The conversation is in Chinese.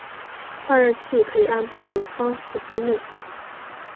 换热器可以按不同的方式分类。